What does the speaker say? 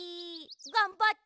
がんばって！